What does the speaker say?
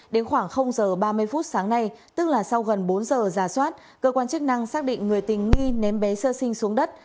đến khoảng giờ ba mươi phút sáng nay tức là sau gần bốn giờ giả soát cơ quan chức năng xác định người tình nghi ném bé sơ sinh xuống đất